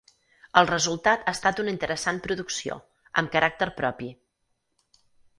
El resultat ha estat una interessant producció, amb caràcter propi.